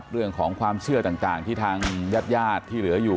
เรื่องของความเชื่อต่างที่ทางญาติญาติที่เหลืออยู่